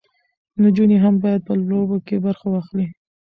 نجونې هم باید په لوبو کې برخه واخلي.